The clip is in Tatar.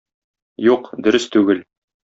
Юк, дөрес түгел.